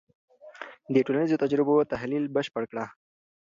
د ټولنیزو تجربو تحلیل بشپړ کړه.